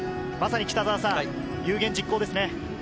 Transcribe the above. まさに有言実行ですね。